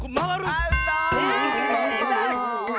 アウト！